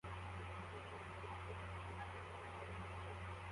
umugore usoma umwana hagati yumuhanda